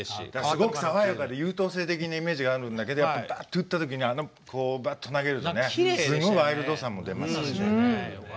すごく爽やかで優等生的なイメージがあるんですけど打った時に、バット投げるとすごいワイルドさも出ますしね。